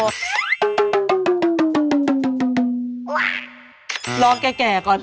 รอแก่ก่อน